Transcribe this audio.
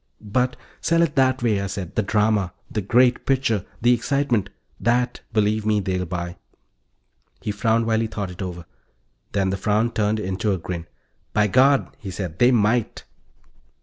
"But " "Sell it that way," I said. "The drama. The great picture. The excitement. That, believe me, they'll buy." He frowned while he thought it over. Then the frown turned into a grin. "By God," he said, "they might."